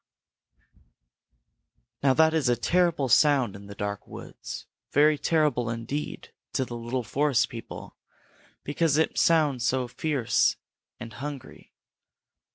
Now that is a terrible sound in the dark woods, very terrible indeed to the little forest people, because it sounds so fierce and hungry.